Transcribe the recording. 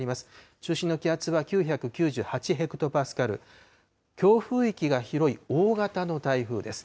中心の気圧は９９８ヘクトパスカル、強風域が広い大型の台風です。